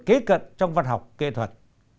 kế cận trong văn học kệ thuật